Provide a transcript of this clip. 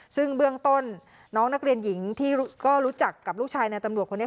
ซึ่งเบื้องต้นน้องนักเรียนหญิงที่ก็รู้จักกับลูกชายในตำรวจคนนี้